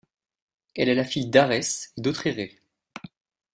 Elle est la fille d'Arès et d'Otréré.